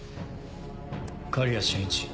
刈谷俊一。